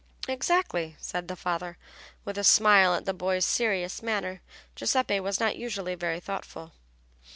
"Exactly," said the father, with a smile at the boy's serious manner. Giuseppe was not usually very thoughtful.